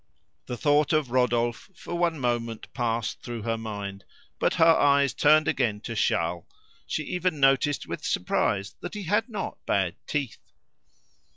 The thought of Rodolphe for one moment passed through her mind, but her eyes turned again to Charles; she even noticed with surprise that he had not bad teeth.